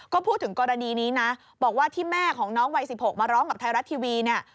ก็พูดถึงกรณีนี้นะบอกว่าที่แม่ของน้องวัย๑๖มาร้องกับไทยรัฐทีวีเนี่ย